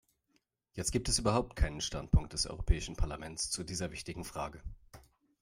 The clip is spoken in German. Jetzt gibt es überhaupt keinen Standpunkt des Europäischen Parlaments zu dieser wichtigen Frage.